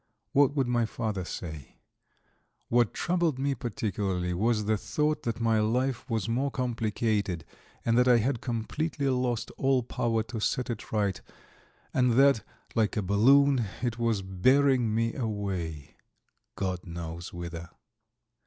What would my father say? What troubled me particularly was the thought that my life was more complicated, and that I had completely lost all power to set it right, and that, like a balloon, it was bearing me away, God knows whither.